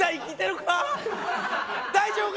大丈夫か！？